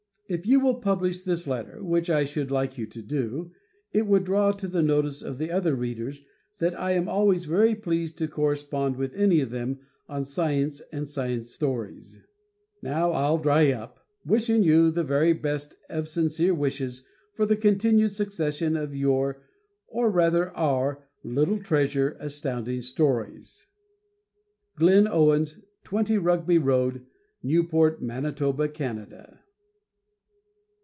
If you will publish this letter, which I should like you to do, it would draw to the notice of the other readers that I am always very pleased to correspond with any of them on science and science stories. Now I'll dry up, wishing you the very best of sincere wishes for the continued success of your or rather "our" little treasure, Astounding Stories. Glyn Owens, 20, Rugby Rd., Newport, Man., Canada.